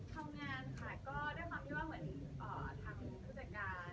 ทำงานค่ะก็ด้วยความที่ว่าเหมือนทางผู้จัดการ